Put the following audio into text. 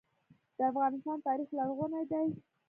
د افغانستان تاریخ لرغونی دی